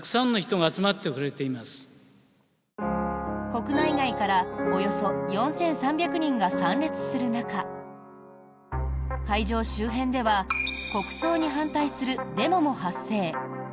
国内外からおよそ４３００人が参列する中会場周辺では国葬に反対するデモも発生。